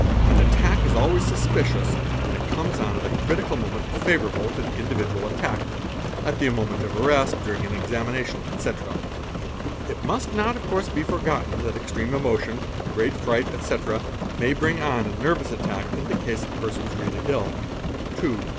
An attack is always suspicious when it comes on at a critical t oment favourable to the individual attacked, at the moment of arrest, 'during an examination, etc. It must not of course be forgotten that xtreme emotion, great fright, etc., may bring on a nervous attack in the use Of persons really ill. _ 2.